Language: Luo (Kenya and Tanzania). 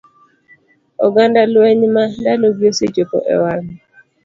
oganda lweny ma ndalogi osechopo e wang'e.